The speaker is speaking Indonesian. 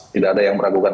tidak ada yang meragukan